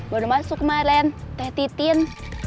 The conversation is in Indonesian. baru masuk kemarin teh titin